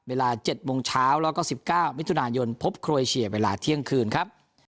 เวลา๗โมงเช้าแล้วก็๑๙มิถุนายนพบโครเอเชียเวลาเที่ยงคืนครับ